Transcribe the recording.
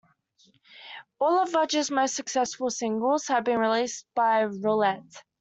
All of Rodgers' most successful singles had been released by Roulette.